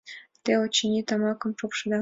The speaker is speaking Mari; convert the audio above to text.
— Те, очыни, тамакым шупшыда?